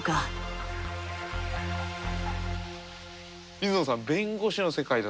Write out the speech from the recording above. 水野さん